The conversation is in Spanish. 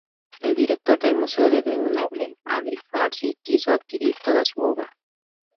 El director del Museo de Grenoble, Andry-Farcy, quiso adquirir toda su obra.